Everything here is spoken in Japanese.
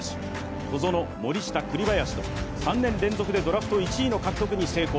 小園、森下、栗林と３年連続でドラフト１位の獲得に成功。